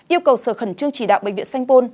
yêu cầu sở khẩn trương chỉ đạo bệnh viện sanh pôn